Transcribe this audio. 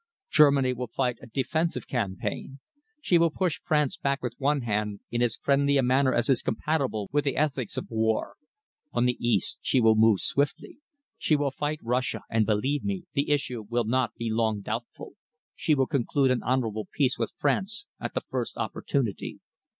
Germany will fight a defensive campaign. She will push France back with one hand, in as friendly a manner as is compatible with the ethics of war. On the east she will move swiftly. She will fight Russia, and, believe me, the issue will not be long doubtful. She will conclude an honourable peace with France at the first opportunity."